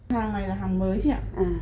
hàng này là hàng mới chị ạ